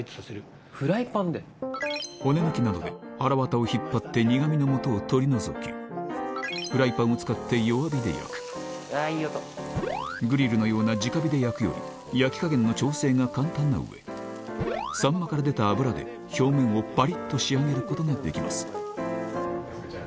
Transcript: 骨抜きなどではらわたを引っ張って苦味のもとを取り除きグリルのような直火で焼くより焼き加減の調整が簡単なうえサンマから出た油で表面をパリっと仕上げることができます